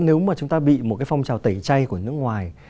nếu mà chúng ta bị một cái phong trào tẩy chay của nước ngoài